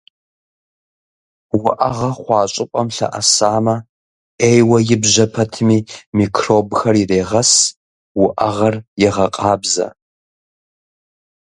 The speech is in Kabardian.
Уӏэгъэ хъуа щӏыпӏэм лъэӏэсамэ, ӏейуэ ибжьэ пэтми, микробхэр ирегъэс, уӏэгъэр егъэкъабзэ.